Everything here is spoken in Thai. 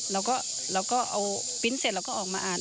เราก็เอาปริ้นต์เสร็จเราก็ออกมาอ่าน